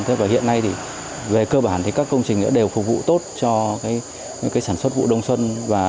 thế và hiện nay thì về cơ bản thì các công trình đều phục vụ tốt cho cái sản xuất vụ đông xuân